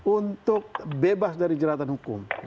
untuk bebas dari jeratan hukum